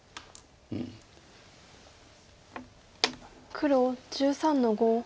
黒１３の五。